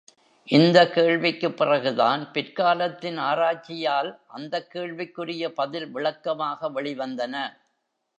இந்த கேள்விக்குப் பிறகுதான், பிற்காலத்தின் ஆராய்ச்சியால் அந்தக் கேள்விக்குரிய பதில் விளக்கமாக வெளி வந்தன!